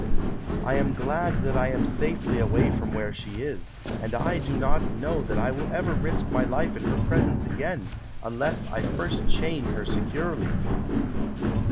"I am glad that I am safely away from where she is, and I do not know that I will ever risk my life in her presence again, unless I first chain her se curely."